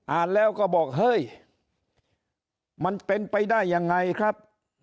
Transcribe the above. อ่านแล้วก็บอกเฮ้ยมันเป็นไปได้ยังไงครับ